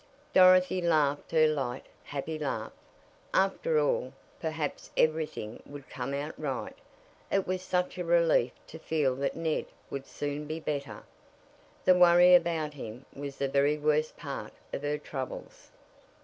Dorothy laughed her light, happy laugh. After all, perhaps everything would come out right it was such a relief to feel that Ned would soon be better. The worry about him was the very worst part of her troubles.